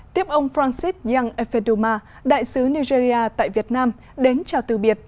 tiếp ông francis yang eferduma đại sứ nigeria tại việt nam đến chào từ biệt